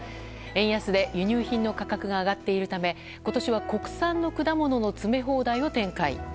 円安で輸入品の価格が上がっているため今年は国産の果物の詰め放題を展開。